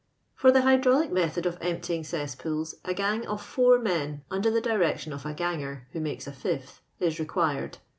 For the hydrauHo method of emptying cess pools, a gang of four men, under the direction I of a ganger, who makes a fifth, is required.